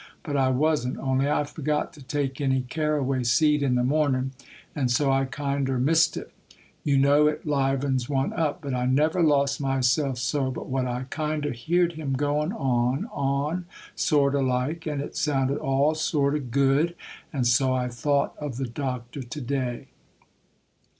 But I wasn't; only I forgot to take any carraway seed in the mornin', and so I kinder missed it; you know it 'livens one up. But I never lost myself so but what I kinder heerd him goin' on, on, sort o' like,—and it sounded all sort o' good; and so I thought of the Doctor to day.